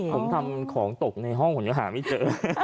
ผมทำของตกในห้องผมยังหาไม่เจอ